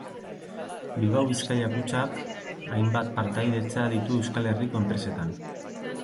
Bilbao Bizkaia Kutxak hainbat partaidetza ditu Euskal Herriko enpresetan.